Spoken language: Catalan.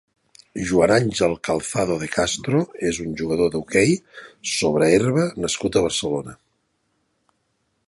Joan Àngel Calzado de Castro és un jugador d'hoquei sobre herba nascut a Barcelona.